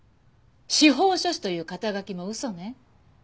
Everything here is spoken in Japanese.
司法書士という肩書も嘘ね。